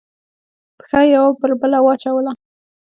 پښه یې یوه پر بله واچوله.